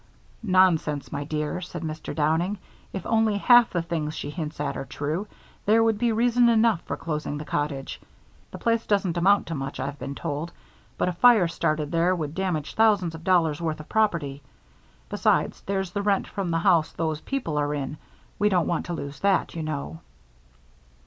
"Nonsense, my dear," said Mr. Downing. "If only half the things she hints at are true, there would be reason enough for closing the cottage. The place itself doesn't amount to much, I've been told, but a fire started there would damage thousands of dollars' worth of property. Besides, there's the rent from the house those people are in we don't want to lose that, you know."